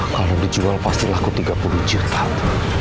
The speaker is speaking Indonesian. kalau dijual pasti laku tiga puluh jutaan